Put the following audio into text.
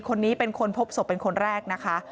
คนนี้เป็นคนพบศพเป็นคนแรกนะคะ